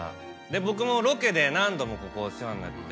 僕もロケで何度もここお世話になってて。